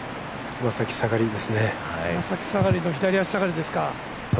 爪先下がりの左足下がりですか。